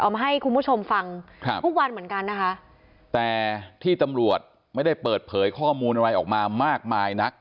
มาให้คุณผู้ชมฟังครับทุกวันเหมือนกันนะคะแต่ที่ตำรวจไม่ได้เปิดเผยข้อมูลอะไรออกมามากมายนัก